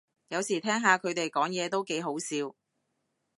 有時聽下佢哋講嘢都幾好笑